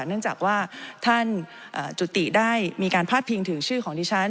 เนื่องจากว่าท่านจุติได้มีการพาดพิงถึงชื่อของดิฉัน